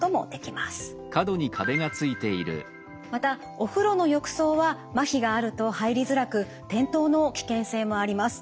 またお風呂の浴槽はまひがあると入りづらく転倒の危険性もあります。